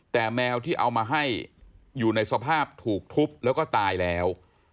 แต่แมวที่เอามาให้อยู่ในสภาพถูกทุบแล้วก็ตายแล้ว